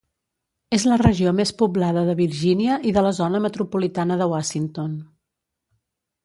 És la regió més poblada de Virgínia i de la zona metropolitana de Washington.